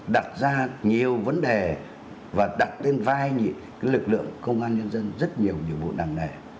đặt ra nhiều vấn đề và đặt lên vai lực lượng công an nhân dân rất nhiều nhiệm vụ nặng nề